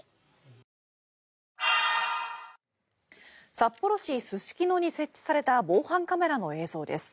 札幌市・すすきのに設置された防犯カメラの映像です。